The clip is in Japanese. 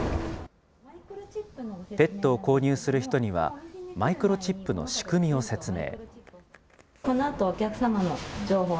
ペットを購入する人には、マイクロチップの仕組みを説明。